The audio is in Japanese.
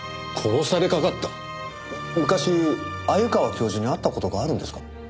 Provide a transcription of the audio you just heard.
昔鮎川教授に会った事があるんですか？